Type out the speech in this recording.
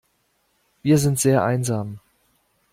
Wir sind sehr einsam.